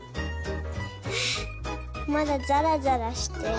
あまだざらざらしてる。